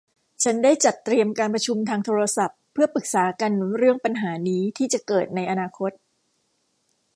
ฉันได้จัดเตรียมการประชุมทางโทรศัพท์เพื่อปรึกษากันเรื่องปัญหานี้ที่จะเกิดในอนาคต